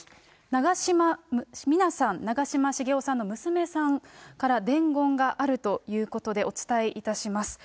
長嶋三奈さん、長嶋茂雄さんの娘さんから伝言があるということで、お伝えいたします。